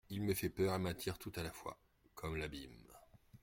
il me fait peur et m'attire tout à la fois … comme l'abîme.